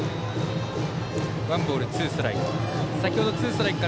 ワンボール、ツーストライク。